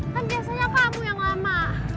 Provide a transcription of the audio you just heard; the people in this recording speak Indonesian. gantian kan biasanya kamu yang lama